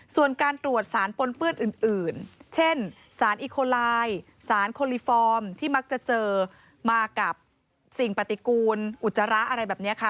ส่วนการตรวจสารปนเปื้อนอื่นเช่นสารอิโคลายสารโคลิฟอร์มที่มักจะเจอมากับสิ่งปฏิกูลอุจจาระอะไรแบบนี้ค่ะ